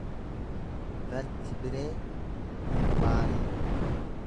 vertibiree lumbaarii